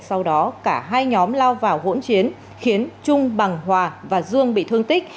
sau đó cả hai nhóm lao vào hỗn chiến khiến trung bằng hòa và dương bị thương tích